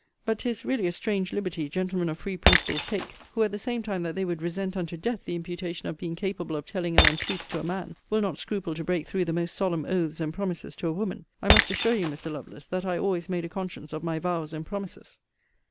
But 'tis, really a strange liberty gentlemen of free principles take; who at the same time that they would resent unto death the imputation of being capable of telling an untruth to a man, will not scruple to break through the most solemn oaths and promises to a woman. I must assure you, Mr. Lovelace, that I always made a conscience of my vows and promises.